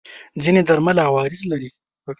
ځینې درمل عوارض لري.